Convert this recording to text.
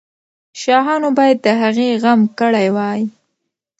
شاهانو باید د هغې غم کړی وای.